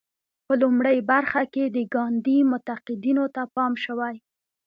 په لومړۍ برخه کې د ګاندي منتقدینو ته پام شوی.